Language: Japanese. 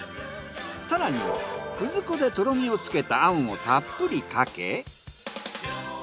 更にくず粉でとろみをつけたあんをたっぷりかけ。